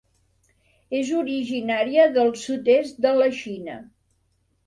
És originària del sud-est de la Xina.